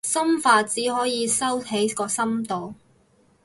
心法，只可以收喺個心度